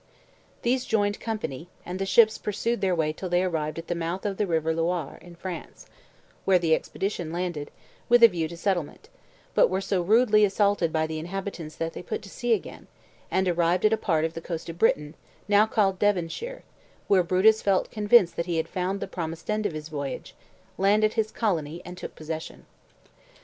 These joined company, and the ships pursued their way till they arrived at the mouth of the river Loire, in France, where the expedition landed, with a view to a settlement, but were so rudely assaulted by the inhabitants that they put to sea again, and arrived at a part of the coast of Britain, now called Devonshire, where Brutus felt convinced that he had found the promised end of his voyage, landed his colony, and took possession.